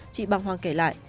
chị băng hoang kể lại